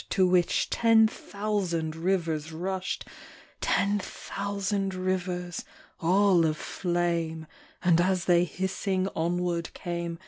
To which ten thousand rivers rushed, — Ten thousand rivers, all of flame, — And as they hissing onward came.